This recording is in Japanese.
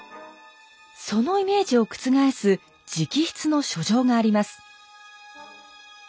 そのイメージを覆す直筆の書状があります。